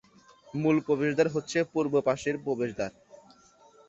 মুল প্রবেশদ্বার হচ্ছে পূর্ব পাশের প্রবেশদ্বার।